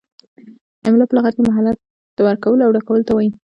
املاء په لغت کې مهلت ورکولو او ډکولو ته وايي.